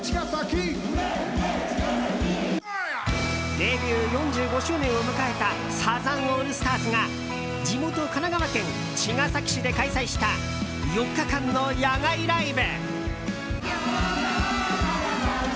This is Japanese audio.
デビュー４５周年を迎えたサザンオールスターズが地元・神奈川県茅ヶ崎市で開催した４日間の野外ライブ。